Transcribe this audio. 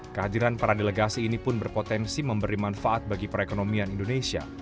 kehadiran para delegasi ini pun berpotensi memberi manfaat bagi perekonomian indonesia